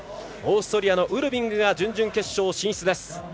オーストリアのウルビングが準々決勝進出です。